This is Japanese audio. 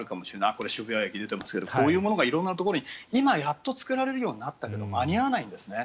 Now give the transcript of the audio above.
これは渋谷駅、出ていますがこういうものが今、色んなところに作られるようになりましたが間に合わないんですね。